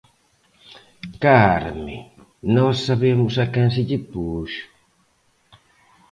Carmen, nós sabemos a quen se lle puxo...